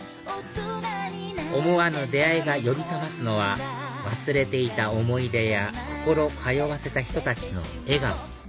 思わぬ出会いが呼び覚ますのは忘れていた思い出や心通わせた人たちの笑顔